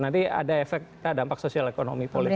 nanti ada efek dampak sosial ekonomi politik